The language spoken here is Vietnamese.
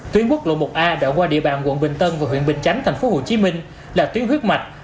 tuyến quốc lộ một a đã qua địa bàn quận bình tân và huyện bình chánh thành phố hồ chí minh là tuyến huyết mạch